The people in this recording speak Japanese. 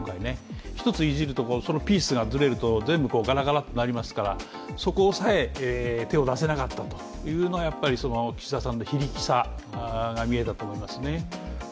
１ついじると、そのピースがずれると全部ガラガラとなりますからそこさえ手を出せなかったというのはやっぱり岸田さんの非力さが見えたと思いますね。